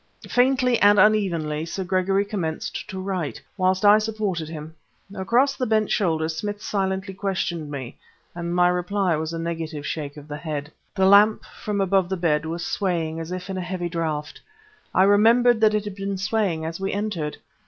Faintly and unevenly Sir Gregory commenced to write whilst I supported him. Across the bent shoulders Smith silently questioned me, and my reply was a negative shake of the head. The lamp above the bed was swaying as if in a heavy draught; I remembered that it had been swaying as we entered.